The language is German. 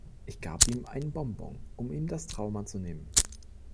Ich gab ihm ein Bonbon, um ihm das Trauma zu nehmen.